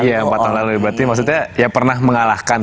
iya empat tahun lalu berarti maksudnya ya pernah mengalahkan